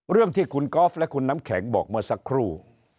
เรื่องที่คุณกอล์ฟและคุณน้ำแข็งบอกเมื่อสักครู่